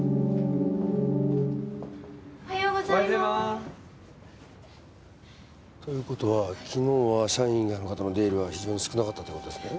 おはようございま。という事は昨日は社員以外の方の出入りは非常に少なかったって事ですね？